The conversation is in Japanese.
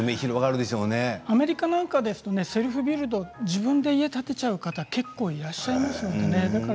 アメリカなんかですとセルフビルド自分で家を建てちゃう方結構いらっしゃいますのでね。